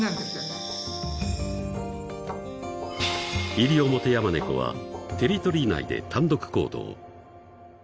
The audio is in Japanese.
［イリオモテヤマネコはテリトリー内で単独行動］